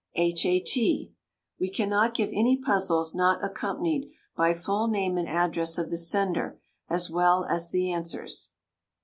H. A. T. We can not give any puzzles not accompanied by full name and address of the sender, as well as the answers.